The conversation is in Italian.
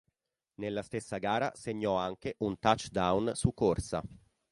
Nella stessa gara segnò anche un touchdown su corsa.